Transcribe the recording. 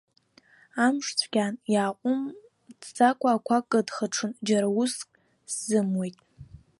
Амш цәгьан, иааҟәымҵӡакәа ақәа кыдхаҽон, џьара уск сзымуит.